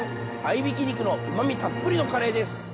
合いびき肉のうまみたっぷりのカレーです。